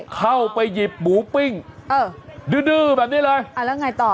เข้าไปหยิบหมูปิ้งดื้อแบบนี้เลยแล้วไงต่อ